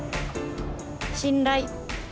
「信頼」。